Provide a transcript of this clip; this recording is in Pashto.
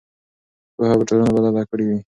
پوهه به ټولنه بدله کړې وي.